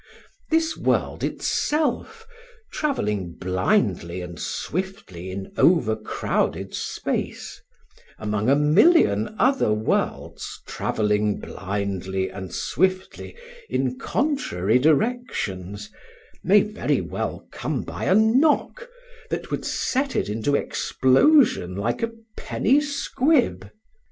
This world itself, travelling blindly and swiftly in overcrowded space, among a million other worlds travelling blindly and swiftly in contrary directions, may very well come by a knock that would set it into explosion like a penny squib.